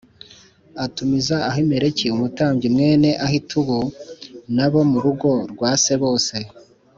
atumiza Ahimeleki umutambyi mwene Ahitubu n’abo mu rugo rwa se bose